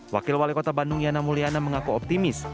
wakil wali kota bandung yana mulyana mengaku optimis